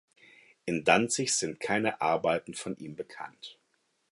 In Danzig sind keine Arbeiten von ihm bekannt.